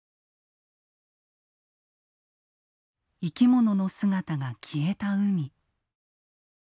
生き物の姿が消えた海。